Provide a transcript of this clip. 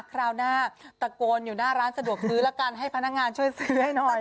คราวหน้าตะโกนอยู่หน้าร้านสะดวกซื้อแล้วกันให้พนักงานช่วยซื้อให้หน่อย